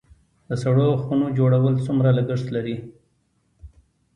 د سړو خونو جوړول څومره لګښت لري؟